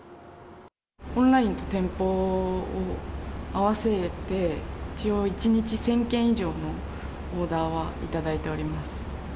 オンラインと店舗を合わせて、一応、１日１０００件以上のオーダーは頂いております。